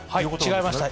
違いました。